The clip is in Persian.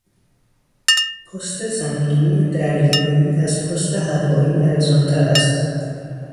پست زمینی دریایی از پست هوایی ارزانتر است.